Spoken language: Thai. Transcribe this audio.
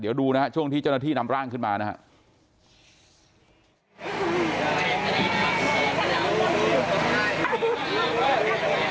เดี๋ยวดูนะฮะช่วงที่เจ้าหน้าที่นำร่างขึ้นมานะครับ